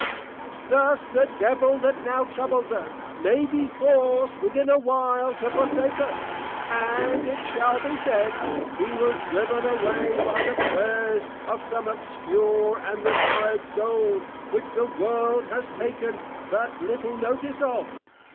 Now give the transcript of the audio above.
_ Thus the Devil that now troubles us, may be forced within a while to forsake us; and it shall be said, _He was driven away by the Prayers of some Obscure and Retired Souls, which the World has taken but little notice of!